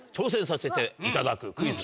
『クイズ！